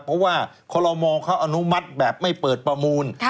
เพราะว่าคอลโลมอเขาอนุมัติแบบไม่เปิดประมูล